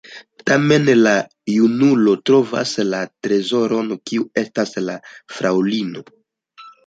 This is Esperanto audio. Tamen la junulo trovas la trezoron, kiu estas la fraŭlino.